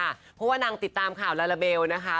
เพราะว่านางติดตามข่าวลาลาเบลนะคะ